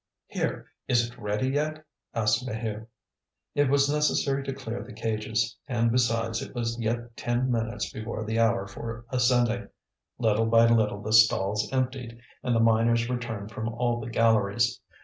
"Here! Is it ready yet?" asked Maheu. It was necessary to clear the cages, and besides it was yet ten minutes before the hour for ascending. Little by little the stalls emptied, and the miners returned from all the galleries.